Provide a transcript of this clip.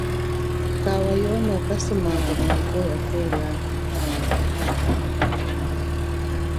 Kawa yono kasumananga mwanako ya pwo liami.